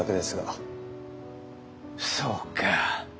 そうか。